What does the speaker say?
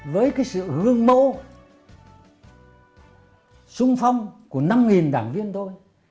với cái sự hương mẫu sung phong của năm đảng viên thôi